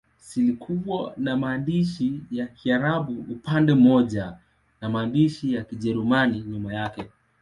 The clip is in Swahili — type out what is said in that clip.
Zilikuwa na maandishi ya Kiarabu upande mmoja na maandishi ya Kijerumani nyuma yake.